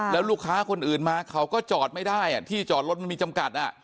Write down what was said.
แล้วลูกค้าคนอื่นมาเขาก็จอดไม่ได้ที่จอดรถมันมีจำกัด